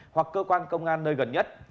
hoặc cơ quan công an nơi gần nhất